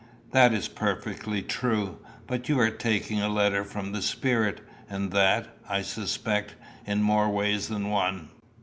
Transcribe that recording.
"That is perfectly true. But you are taking the letter for the spirit, and that, I suspect, in more ways than one.